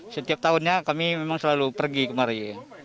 setiap tahunnya kami memang selalu pergi kemari